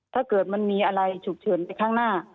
ถ้าเกิดมันมีอะไรฉุกเฉินไปข้างหน้า